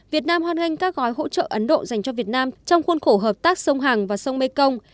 việt nam hoan nghênh các gói hỗ trợ ấn độ dành cho việt nam trong khuôn khổ hợp tác sông hàng và sông mekong